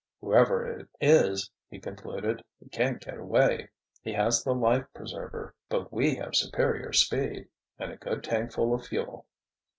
"Whoever it is," he concluded, "he can't get away. He has the life preserver. But we have superior speed. And a good tankful of fuel."